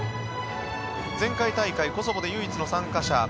前回大会、コソボで唯一の参加者